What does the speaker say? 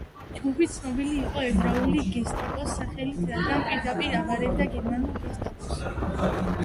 ჯგუფი ცნობილი იყო ებრაული გესტაპოს სახელით, რადგან პირდაპირ აბარებდა გერმანულ გესტაპოს.